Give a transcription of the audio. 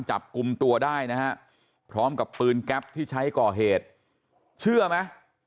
จับกลุ่มตัวได้นะฮะพร้อมกับปืนแก๊ปที่ใช้ก่อเหตุเชื่อไหม